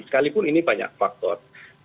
sekalipun ini banyak faktor